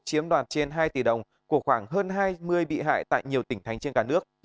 chiếm đoạt trên hai tỷ đồng của khoảng hơn hai mươi bị hại tại nhiều tỉnh thành trên cả nước